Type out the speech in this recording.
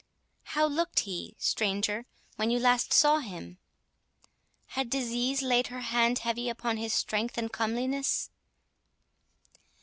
—How looked he, stranger, when you last saw him? Had disease laid her hand heavy upon his strength and comeliness?"